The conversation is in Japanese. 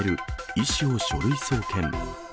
医師を書類送検。